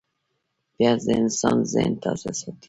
پیاز د انسان ذهن تازه ساتي